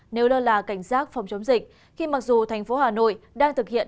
nếu lơ là cảnh giác phòng chống dịch khi mặc dù thành phố hà nội đang thực hiện